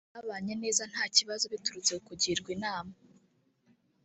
babanye neza nta kibazo biturutse ku kugirwa inama